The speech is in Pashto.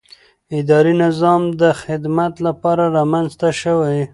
اداري نظام د خدمت لپاره رامنځته شوی.